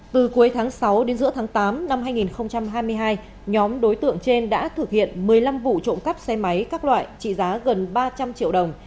từ cuối tháng sáu đến giữa tháng tám năm hai nghìn hai mươi hai nhóm đối tượng trên đã thực hiện một mươi năm vụ trộm cắp xe máy các loại trị giá gần ba trăm linh triệu đồng